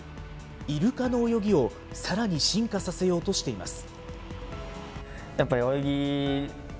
イルカの泳ぎをさらに進化させようとしています。